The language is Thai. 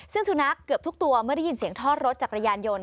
ซึ่งสุนัขเกือบทุกตัวเมื่อได้ยินเสียงทอดรถจักรยานยนต์